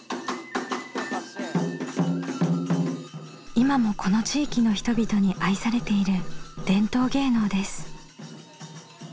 今もこの地域の人々に愛されている伝統芸能です。